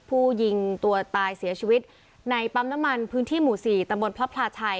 ยิงตัวตายเสียชีวิตในปั๊มน้ำมันพื้นที่หมู่๔ตำบลพระพลาชัย